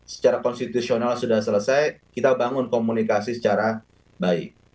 secara konstitusional sudah selesai kita bangun komunikasi secara baik